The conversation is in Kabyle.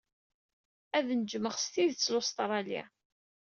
Ad neǧmeɣ s tidett Lustṛali.